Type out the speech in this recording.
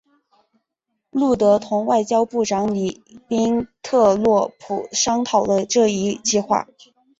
路德同外交部长里宾特洛甫商讨了这一计划。